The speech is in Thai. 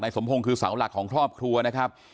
สมพงศ์คือเสาหลักของครอบครัวนะครับ